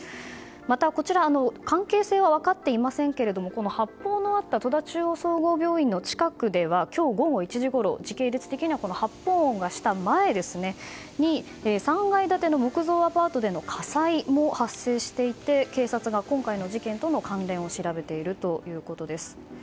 また、関係性は分かっていませんが発砲のあった戸田中央総合病院の近くでは今日午後１時ごろ、時系列的に発砲音がした前に３階建ての木造アパートでの火災も発生していて警察が今回の事件との関連を調べているということです。